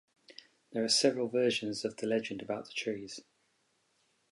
There are several versions of the legend about the trees.